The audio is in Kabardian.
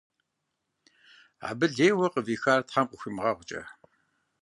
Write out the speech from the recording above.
Абы лейуэ къывихар Тхьэм къыхуимыгъэгъукӀэ.